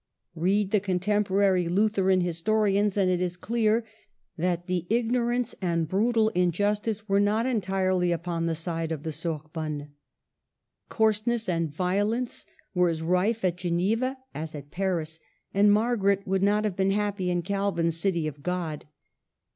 Read the contemporary HO MARGARET OF ANCOULEME. Lutheran historians, and it is clear that the ignorance and brutal injustice were not entirely upon the side of the Sorbonne. Coarseness and violence were as rife at Geneva as at Paris, and Margaret would not have been happy in Calvin's City of God.